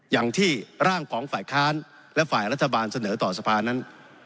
อย่างที่ร่างของฝ่ายค้านและฝ่ายรัฐบาลเสนอต่อสภานั้น